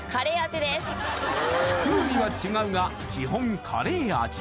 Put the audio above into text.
風味は違うが基本カレー味